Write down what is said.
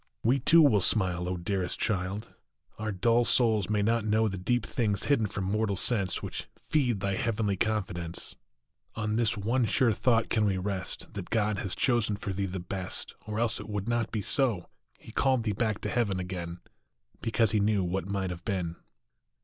We too will smile, O dearest child ! Our dull souls may not know The deep things hidden from mortal sense, Which feed thy heavenly confidence. WHA T MIGHT HA VE BEEN. 165 On this one sure thought can we rest, That God has chosen for thee the best, Or else it were not so ; He called thee back to Heaven again Because he knew what might have been.